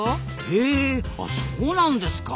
へえあそうなんですか。